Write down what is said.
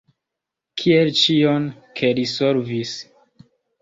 Kiel ĉion, ke li solvis.